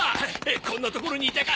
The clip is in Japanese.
こんな所にいたか。